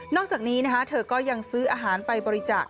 อกจากนี้เธอก็ยังซื้ออาหารไปบริจาค